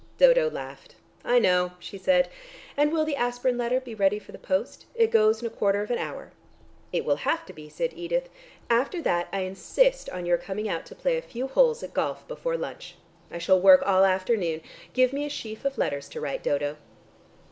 Dodo laughed. "I know," she said. "And will the aspirin letter be ready for the post? It goes in a quarter of an hour." "It will have to be," said Edith. "After that I insist on your coming out to play a few holes at golf before lunch. I shall work all afternoon. Give me a sheaf of letters to write, Dodo."